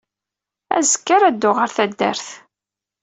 Azekka ara dduɣ ɣer taddart.